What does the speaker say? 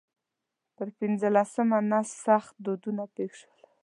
پر پنځلسمه نس سخت دردونه پېښ شول.